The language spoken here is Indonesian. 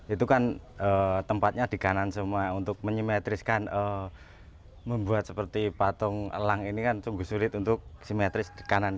itu kan tempatnya di kanan semua untuk menyimetriskan membuat seperti patung elang ini kan sungguh sulit untuk simetris kanan